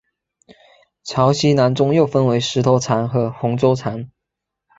曹溪南宗又分为石头禅和洪州禅。